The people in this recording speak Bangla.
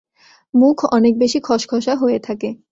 মুখ অনেক বেশি খশখশা হয়ে থাকে।